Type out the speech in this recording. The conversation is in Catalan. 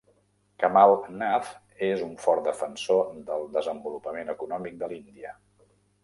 Kamal Nath és un fort defensor del desenvolupament econòmic de l'Índia.